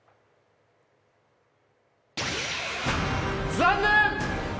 残念！